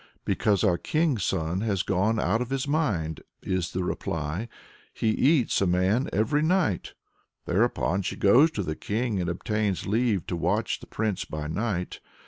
"Because our king's son has gone out of his mind," is the reply. "He eats a man every night." Thereupon she goes to the king and obtains leave to watch the prince by night.